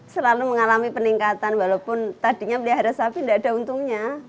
selalu mengalami peningkatan walaupun tadinya melihara sapi tidak ada untungnya